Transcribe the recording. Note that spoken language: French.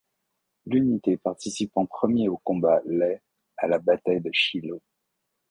L'unité participe en premier aux combats les - à la bataille de Shiloh.